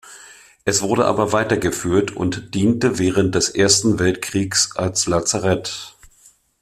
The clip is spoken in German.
Es wurde aber weitergeführt und diente während des Ersten Weltkriegs als Lazarett.